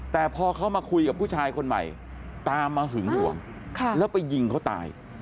แต่พอเขามาคุยกับผู้ชายคนใหม่ตามมาหึงห่วงแล้วไปยิงเขาตาย